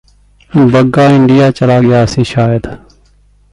ਬੱਗਾ ਇੰਡੀਆਂ ਚਲਾ ਗਿਆ ਸੀ ਸ਼ਾਇਦ